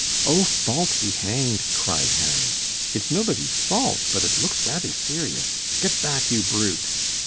"Oh, fault be hanged!" cried Harry. "It's nobody's fault, but it looks rather serious. Get back, you brute!"